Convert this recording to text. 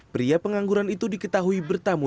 pria pengangguran itu diketahui bertamu